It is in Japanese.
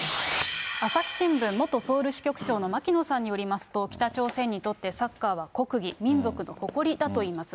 朝日新聞元ソウル支局長の牧野さんによりますと、北朝鮮にとって、サッカーは国技、民族の誇りだといいます。